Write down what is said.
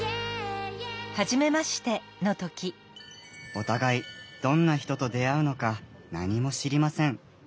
お互いどんな人と出会うのか何も知りません。